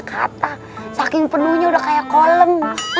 kata saking penuhnya udah kayak kolem